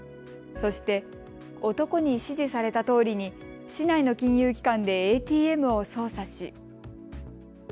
そして男に指示されたとおりに市内の金融機関でＡＴＭを操作し。